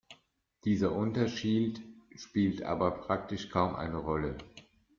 Dieser Unterschied spielt aber praktisch kaum eine Rolle.